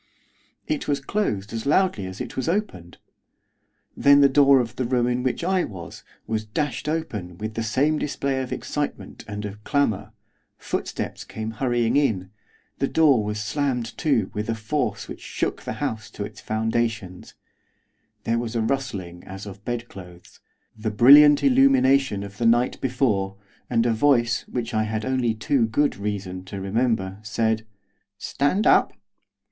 It was closed as loudly as it was opened. Then the door of the room in which I was, was dashed open, with the same display of excitement, and of clamour, footsteps came hurrying in, the door was slammed to with a force which shook the house to its foundations, there was a rustling as of bed clothes, the brilliant illumination of the night before, and a voice, which I had only too good reason to remember said, 'Stand up.